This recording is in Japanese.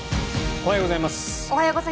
おはようございます。